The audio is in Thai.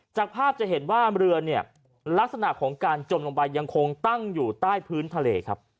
จากภาพจะเห็นว่าเรือเนี่ยลักษณะของการจมลงไปยังคงตั้งอยู่ใต้พื้นทะเลครับ